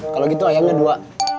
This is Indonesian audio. kalau gitu ayamnya dua